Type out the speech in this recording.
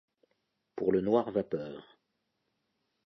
Pour le Noir vapeur.